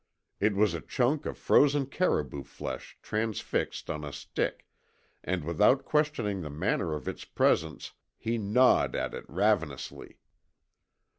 It was a chunk of frozen caribou flesh transfixed on a stick, and without questioning the manner of its presence he gnawed at it ravenously.